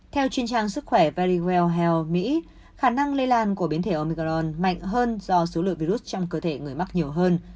theo chuyên trang sức khỏe paris well health mỹ khả năng lây lan của biến thể omicron mạnh hơn do số lượng virus trong cơ thể người mắc nhiều hơn